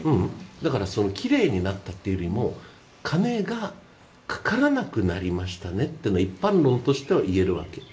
だから奇麗になったというよりも金がかからなくなりましたねというのが一般論としては言えるわけ。